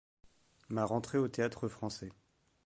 Ma rentrée au Théâtre-Français.